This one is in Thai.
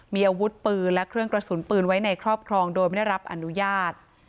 มีอาวุธปืนและเครื่องกระสุนปืนไว้ในครอบครองโดยไม่ได้รับอนุญาต